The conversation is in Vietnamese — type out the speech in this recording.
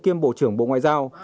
kiêm bộ trưởng bộ ngoại giao